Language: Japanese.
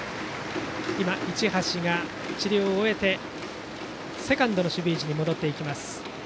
今、市橋が治療を終えてセカンドの守備位置に戻ります。